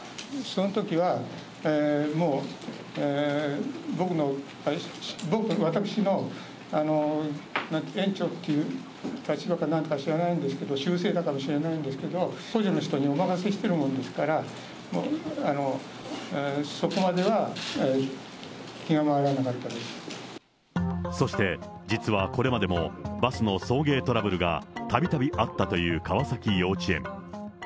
そのときは、もう、僕の、私の園長という立場かなんか知らないんですけど、習性だからか知らないんですけども、補助の人にお任せしてるもんですから、そして、実はこれまでも、バスの送迎トラブルがたびたびあったという川崎幼稚園。